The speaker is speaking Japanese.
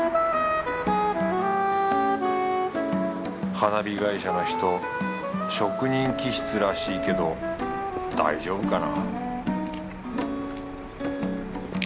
花火会社の人職人気質らしいけど大丈夫かな？